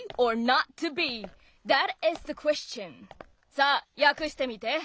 さあ訳してみて。